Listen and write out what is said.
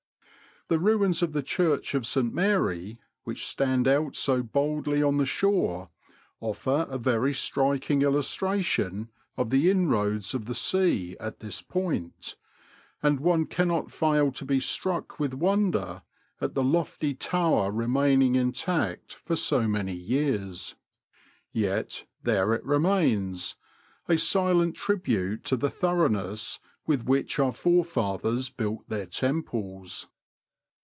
The ruins of the church of St Mary, which stand out so boldly on the shore, offer a very striking illustration of the inroads of the sea at this point, and one cannot fail to be struck with wonder at the lofty tower remaining intact for so many years. Yet there it remains, a silent tribute to the thoroughness with which our forefathers built their temples.